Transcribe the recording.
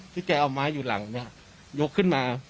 แกเอาไม้อยู่หลังเนี่ยยกขึ้นมา